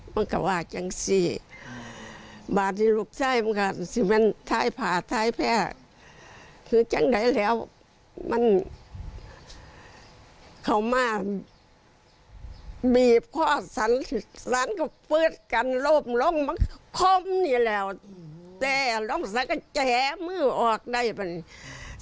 แม่ก็เปิดชายลมขึ้นมาซ้ำแย่เราก็แกะใจมือออกได้บ้าง